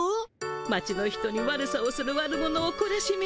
町の人に悪さをする悪者をこらしめるのよ。